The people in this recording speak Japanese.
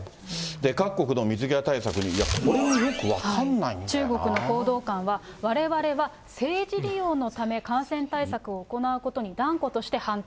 各国の水際対策、いや、これも分からない中国の報道官は、われわれは政治利用のため、感染対策を行うことに断固として反対。